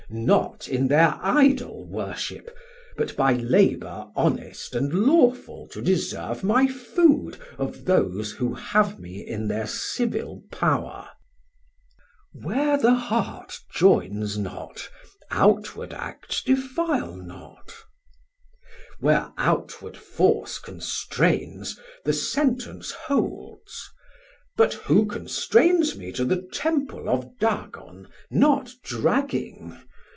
Sam: Not in thir Idol worship, but by labour Honest and lawful to deserve my food Of those who have me in thir civil power. Chor: Where the heart joins not, outward acts defile not Sam: Where outward force constrains, the sentence holds: But who constrains me to the Temple of Dagon, 1370 Not dragging?